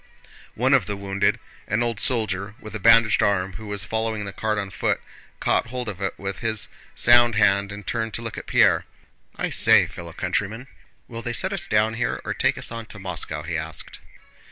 One of the wounded, an old soldier with a bandaged arm who was following the cart on foot, caught hold of it with his sound hand and turned to look at Pierre. "I say, fellow countryman! Will they set us down here or take us on to Moscow?" he asked.